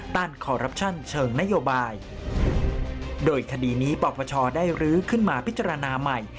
คอรัปชั่นเชิงนโยบายโดยคดีนี้ปปชได้รื้อขึ้นมาพิจารณาใหม่